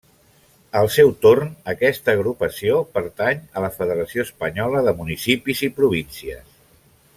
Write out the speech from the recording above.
Al seu torn aquesta agrupació pertany a la Federació Espanyola de Municipis i Províncies.